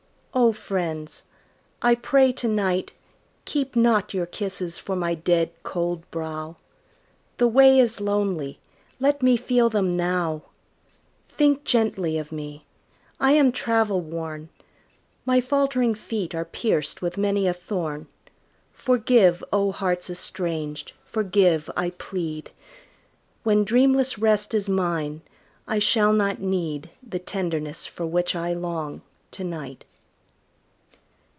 Oh, friends, I pray to night, Keep not your kisses for my dead, cold brow The way is lonely; let me feel them now. Think gently of me; I am travel worn; My faltering feet are pierced with many a thorn. Forgive, oh, hearts estranged, forgive, I plead! When dreamless rest is mine I shall not need The tenderness for which I long to night.